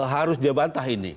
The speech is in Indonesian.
harus dia bantah ini